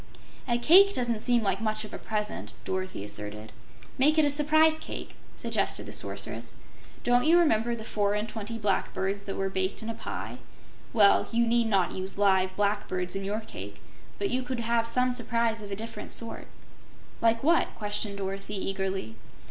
"A cake doesn't seem like much of a present," Dorothy asserted. "Make it a surprise cake," suggested the Sorceress. "Don't you remember the four and twenty blackbirds that were baked in a pie? Well, you need not use live blackbirds in your cake, but you could have some surprise of a different sort." "Like what?" questioned Dorothy, eagerly.